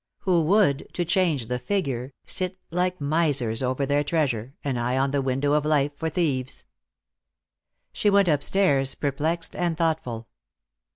Who would, to change the figure, sit like misers over their treasure, an eye on the window of life for thieves. She went upstairs, perplexed and thoughtful.